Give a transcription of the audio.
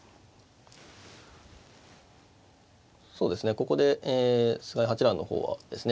ここで菅井八段の方はですね